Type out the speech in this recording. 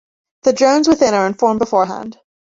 The drones within are informed beforehand.